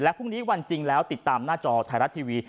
พรุ่งนี้วันจริงแล้วติดตามหน้าจอไทยรัฐทีวี